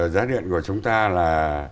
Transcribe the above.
giá điện của chúng ta là